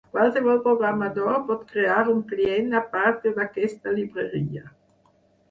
Qualsevol programador pot crear un client a partir d'aquesta llibreria.